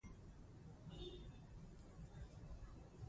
بزګران باید ملاتړ شي.